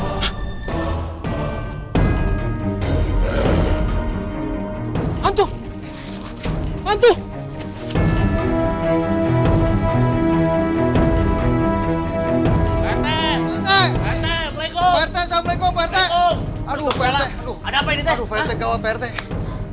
tidak ada yang bisa dipercaya